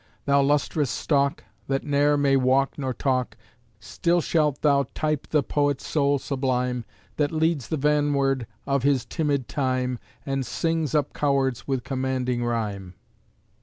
Thou lustrous stalk, that ne'er may walk nor talk, Still shalt thou type the poet soul sublime That leads the vanward of his timid time And sings up cowards with commanding rhyme.